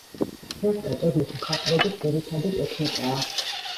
ფრესკა კედლის მხატვრობის ძირითადი ტექნიკაა.